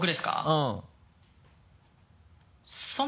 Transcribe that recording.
うん。